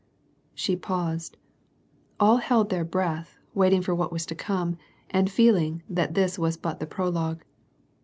She paused. All held their breath, waiting for what was to come, and feeling that this was but the prologue.